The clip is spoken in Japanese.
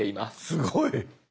すごい！